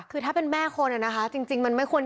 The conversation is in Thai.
คือถ้าเป็นแม่คนนะคะจริงมันไม่ควร